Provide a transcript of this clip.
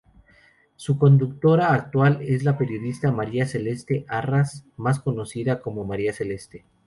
Su conductora actual es la periodista María Celeste Arrarás, más conocida como María Celeste.